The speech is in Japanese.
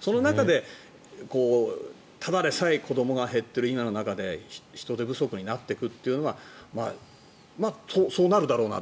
その中で、ただでさえ子どもが減っている今の中で人手不足になっていくっていうのはまあ、そうなるだろうな。